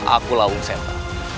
aku lawung seta